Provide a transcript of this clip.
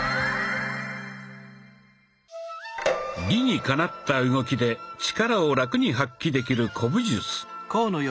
理にかなった動きで力をラクに発揮できる古武術。